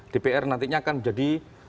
dpr nantinya akan jadi